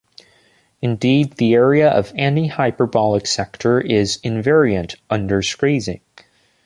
Indeed, the area of any hyperbolic sector is invariant under squeezing.